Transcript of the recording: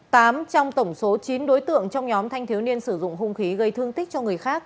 tám trong tổng số chín đối tượng trong nhóm thanh thiếu niên sử dụng hung khí gây thương tích cho người khác